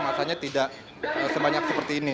masanya tidak sebanyak seperti ini